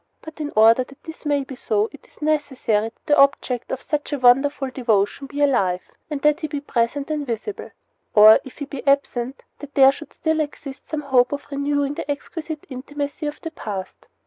But in order that this may be so it is necessary that the object of such a wonderful devotion be alive, that he be present and visible; or, if he be absent, that there should still exist some hope of renewing the exquisite intimacy of the past.